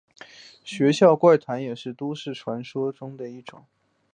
学校怪谈也是都市传说的一种。